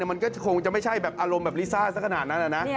มันก็คงจะไม่ใช่แบบอารมณ์แบบลิซ่าสักขนาดนั้นนะ